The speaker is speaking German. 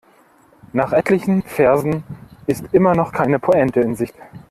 Nach etlichen Versen ist immer noch keine Pointe in Sicht.